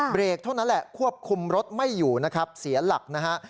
เบรกเท่านั้นแหละควบคุมรถไม่อยู่นะครับเสียหลักนะฮะ